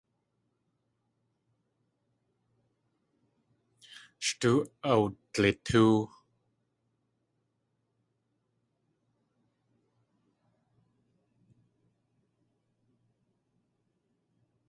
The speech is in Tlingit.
Sh tóo awdlitóow.